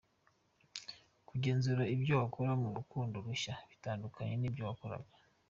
Kugenzura ibyo wakora mu rukundo rushya bitandukanye nibyo wakoraga.